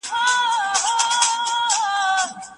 دوی د واده کولو لپاره ډيري ستونزي زغملي دي.